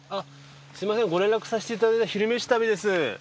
すみませんご連絡させていただいた「昼めし旅」です。